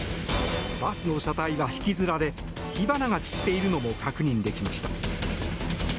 バスの車体は引きずられ火花が散っているのも確認できました。